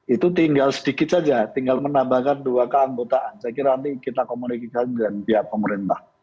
itu tinggal sedikit saja tinggal menambahkan dua keanggotaan saya kira nanti kita komunikasikan dengan pihak pemerintah